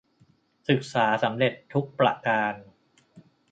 ศึกษาสำเร็จทุกประการ